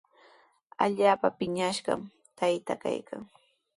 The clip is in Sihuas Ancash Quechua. Allaapa piñashqami taytaa kaykan.